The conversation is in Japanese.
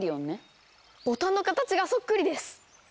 ボタンの形がそっくりです！